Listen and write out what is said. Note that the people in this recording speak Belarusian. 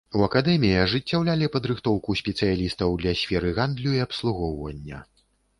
У акадэміі ажыццяўлялі падрыхтоўку спецыялістаў для сферы гандлю і абслугоўвання.